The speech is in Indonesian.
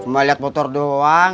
mau lihat motor doang